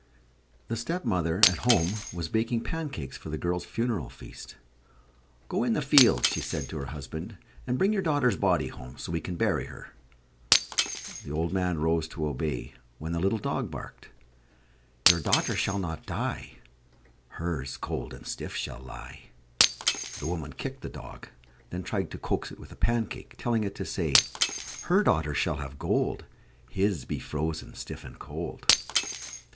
The stepmother, at home, was baking pancakes for the girl's funeral feast. "Go in the field," she said to her husband, "and bring your daughter's body home, so we can bury her." The old man rose to obey, when the little dog barked: "Your daughter shall not die; Her's cold and stiff shall lie." The woman kicked the dog, then tried to coax it with a pancake, telling it to say: "Her daughter shall have gold; His be frozen stiff and cold."